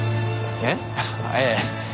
えっ？ええ。